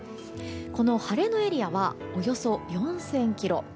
この晴れのエリアはおよそ４０００ｋｍ。